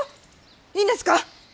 いいんですか？